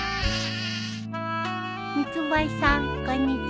蜜蜂さんこんにちは。